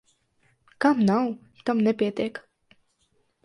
Kam nav, tam nepietiek.